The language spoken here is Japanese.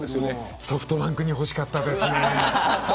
ソフトバンクに欲しかったです。